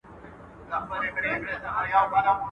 د بل په اوږو مياشت گوري.